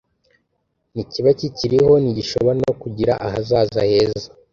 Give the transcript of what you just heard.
ntikiba kikiriho ntigishobora no kugira ahazaza heza